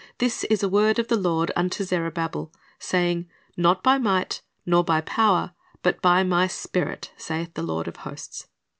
This is the word of the Lord unto Zerubbabel, saying. Not by might, nor by power, but b\ My Spirit, saith'the Lord of hosts.